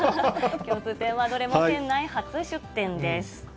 共通点はどれも県内初出店です。